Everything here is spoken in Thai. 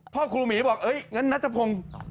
พ่อครูหมีบอกเอ๊ยงั้นนัทธาพง